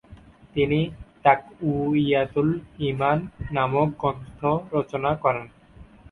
তিনি “তাকউইয়াতুল ঈমান” নামক গ্রন্থ রচনা করেন।